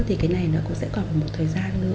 thì cái này nó cũng sẽ còn một thời gian nữa